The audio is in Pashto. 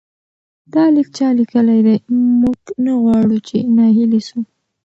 دا لیک چا لیکلی دی؟ موږ نه غواړو چې ناهیلي سو.